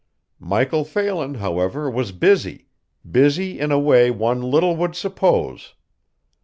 Michael Phelan, however, was busy busy in a way one little would suppose.